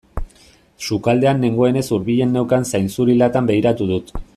Sukaldean nengoenez hurbilen neukan zainzuri latan begiratu dut.